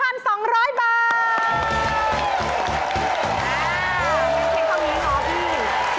มันเป็นเท่านี้เหรอพี่